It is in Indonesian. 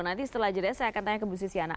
nanti setelah jeda saya akan tanya ke bu sisyana